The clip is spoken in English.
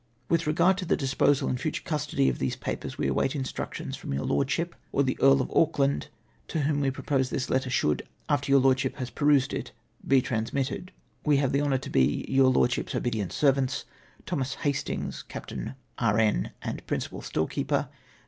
" With regard to the disposal and future custody of these papers, we await instructions from your Lordship, or the Earl PLANS PROBABLY KNOWN TO THE FRENCH. 235 of Auckland, to whom we propose this letter should — after your Lordship has perused it — be transmitted. " We have the honour to be, " Your Lordship's obedient servants, " Thomas Hastings, Capt. E. N., and Principal Storekeeper.